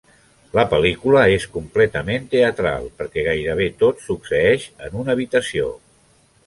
La pel·lícula és completament teatral, perquè gairebé tot succeeix en una habitació.